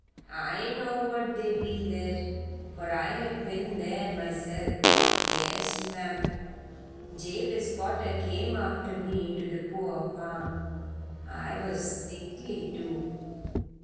I know what they be there, for I have been there myself. Yes, ma'am! Jabez Potter came after me to the poor farm. I was sickly, too.